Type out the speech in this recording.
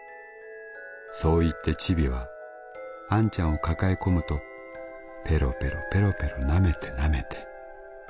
そう言ってチビはあんちゃんを抱えこむとペロペロペロペロ舐めてなめて。